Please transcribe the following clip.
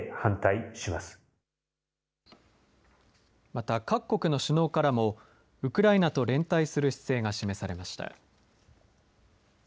また、各国の首脳からもウクライナと連帯する姿勢が示されました。